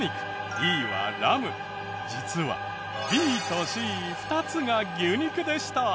実はＢとＣ２つが牛肉でした。